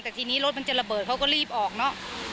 แต่ทีนี้รถมันจะระเบิดเขาก็รีบออกเนอะ